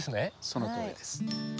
そのとおりです。